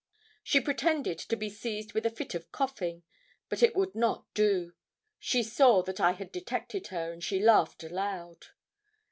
She pretended to be seized with a fit of coughing. But it would not do: she saw that I had detected her, and she laughed aloud.